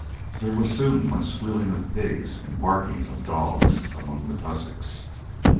There was soon much squealing of pigs, and barking of dogs among the tussocks.